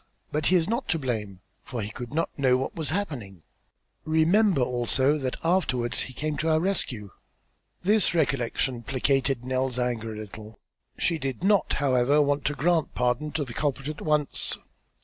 But he is not to blame, for he could not know what was happening. Remember also that afterwards he came to our rescue." This recollection placated Nell's anger a little. She did not, however, want to grant pardon to the culprit at once.